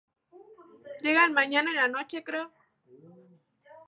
En las diversas regiones del mundo musulmán se han desarrollado numerosos tipos de mezquitas.